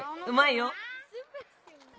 うまいよ。